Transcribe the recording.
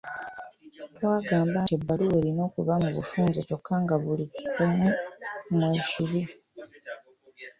Twagamba nti ebbaluwa erina okuba mu bufunze kyokka nga buli kumu mwe kiri.